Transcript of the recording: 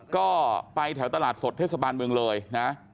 ก็ไปแถวตลาดสดเทศบาลเมืองเลยนะ